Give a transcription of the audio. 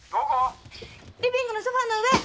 リビングのソファの上。